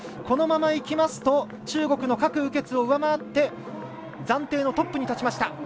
このままいきますと中国の郭雨潔を上回って暫定のトップに立ちました。